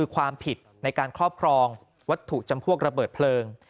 ความผิดในการครอบครองวัตถุจำพวกระเบิดเพลิง